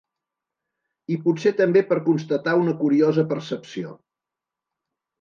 I potser també per constatar una curiosa percepció.